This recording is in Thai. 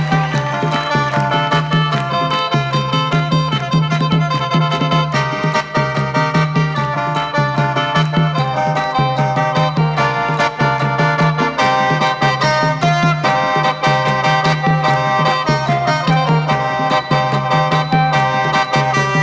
ดีดีดีดีดีดี